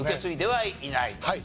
はい。